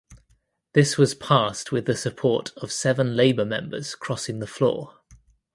This was passed with the support of seven Labor members crossing the floor.